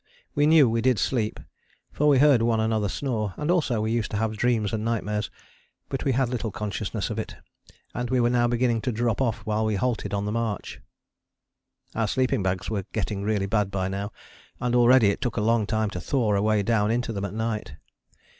We knew we did sleep, for we heard one another snore, and also we used to have dreams and nightmares; but we had little consciousness of it, and we were now beginning to drop off when we halted on the march. Our sleeping bags were getting really bad by now, and already it took a long time to thaw a way down into them at night.